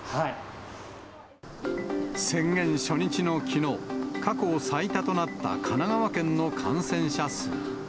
宣言初日のきのう、過去最多となった神奈川県の感染者数。